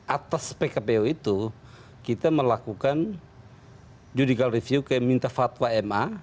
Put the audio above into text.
atas pkpu itu kita melakukan judicial review ke minta fatwa ma